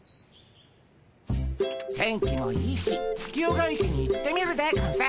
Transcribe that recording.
天気もいいし月夜が池に行ってみるでゴンス。